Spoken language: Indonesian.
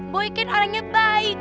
boy kan orangnya baik